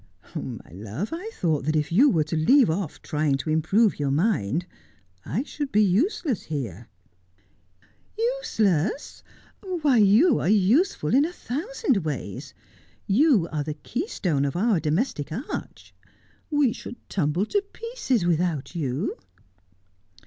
' My love, I thought that if you were to leave off trying to improve your mind, I should be useless here.' ' Useless ! Why, you are useful in a thousand ways . You are the keystone of our domestic arch. We should tumble to pieces without you.'